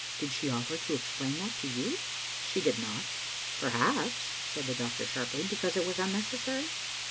Did she offer to explain that to you?" "She did not." " Perhaps," said the doctor, sharply, "because it was unnecessary?"